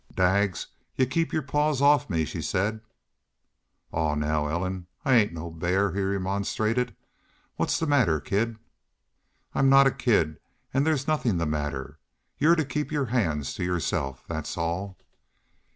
"Daggs, y'u keep your paws off me," she said. "Aw, now, Ellen, I ain't no bear," he remonstrated. "What's the matter, kid?" "I'm not a kid. And there's nothin' the matter. Y'u're to keep your hands to yourself, that's all."